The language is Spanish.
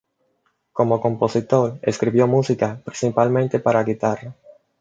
Como compositor, escribió música principalmente para guitarra.